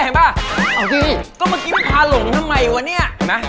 เทเต็มสะพาหลงทำไมเว้ย